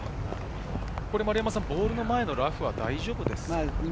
ボールの前のラフは大丈夫ですか？